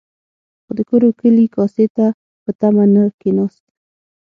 خو د کورو کلي کاسې ته په تمه نه کېناست.